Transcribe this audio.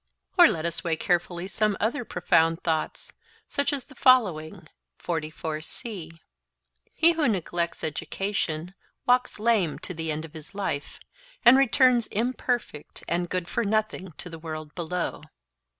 Or let us weigh carefully some other profound thoughts, such as the following. 'He who neglects education walks lame to the end of his life, and returns imperfect and good for nothing to the world below.